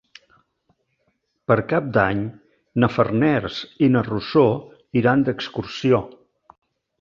Per Cap d'Any na Farners i na Rosó iran d'excursió.